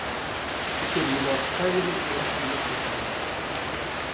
Теперь его отставили, и он приехал к нам.